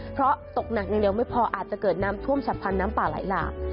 เพราะตกหนักเร็วไม่พออาจจะเกิดน้ำท่วมฉับพันน้ำป่าหลายหลาก